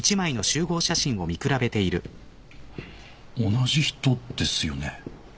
同じ人ですよね？